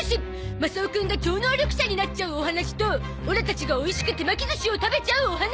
まさおくんが超能力者になっちゃうお話とオラたちがおいしく手巻き寿司を食べちゃうお話